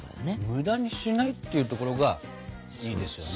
無駄にしないっていうところがいいですよね。